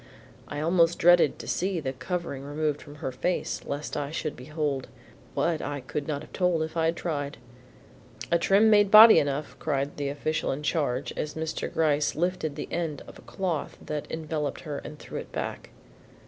I almost dreaded to see the covering removed from her face lest I should behold, what? I could not have told if I had tried. "A trim made body enough," cried the official in charge as Mr. Gryce lifted an end of the cloth that enveloped her and threw it back.